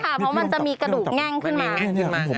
เพราะมันจะมีกระดูกแง่งขึ้นมา